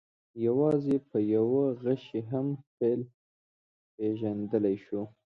یوازې په یوه غشي هم فیل پېژندلی شو.